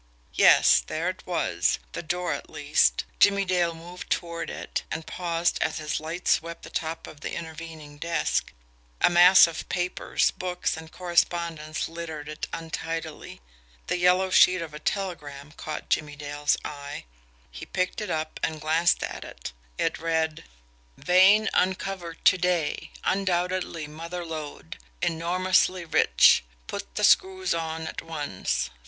Yes, there it was the door, at least. Jimmie Dale moved toward it and paused as his light swept the top of the intervening desk. A mass of papers, books, and correspondence littered it untidily. The yellow sheet of a telegram caught Jimmie Dale's eye. He picked it up and glanced at it. It read: "Vein uncovered to day. Undoubtedly mother lode. Enormously rich. Put the screws on at once.